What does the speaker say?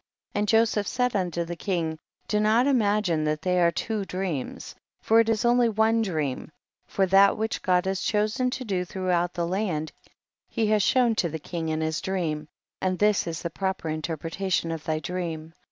And Joseph said unto the king, do not imagine that they are two dreams, for it is only one dream, for that which God has chosen to do through out the land he has shown to the king in his dream, and this is the proper interpretation of thy dream.